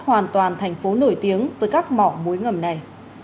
hoàn toàn thành phố nổi tiếng với các mỏ muối ngầm này